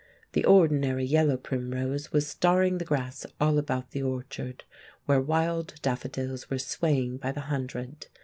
The ordinary yellow primrose was starring the grass all about the orchard, where wild daffodils were swaying by the hundred.